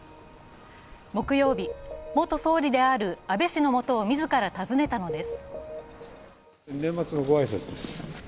木曜日、元総理である安倍氏の元を自ら訪ねたのです。